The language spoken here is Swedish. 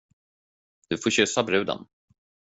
Du får kyssa bruden.